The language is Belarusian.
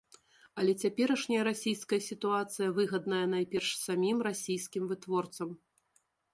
Але цяперашняя расійская сітуацыя выгадная найперш самім расійскім вытворцам.